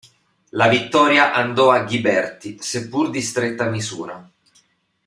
La vittoria andò a Ghiberti, seppur di stretta misura.